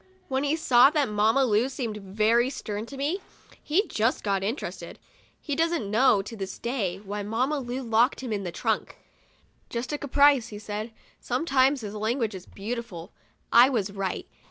When he saw that Mamma Lu seemed very stern to me, he just got interested. He doesn't know, to this day, why Mamma Lu locked him in the trunk. "Just a caprice,*' he said. Sometimes his language is beautiful. I was right.